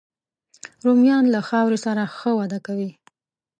رومیان له خاورې سره ښه وده کوي